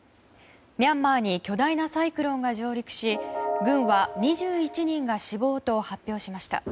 ミャンマーに巨大なサイクロンが上陸し軍は２１人が死亡と発表しました。